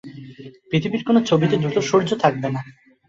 পৃথিবীর কোনো ছবিতে দুটি সূর্য থাকবে না।